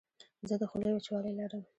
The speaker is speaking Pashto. زه د خولې وچوالی لرم.